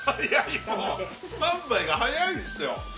スタンバイが早いんですよ！